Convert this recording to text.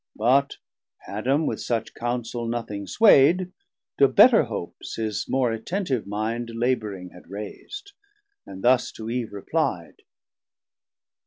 But Adam with such counsel nothing sway'd, 1010 To better hopes his more attentive minde Labouring had rais'd, and thus to Eve repli'd.